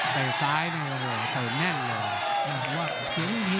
เตะซ้ายเนี่ยโอ้โหเตะแน่นเลย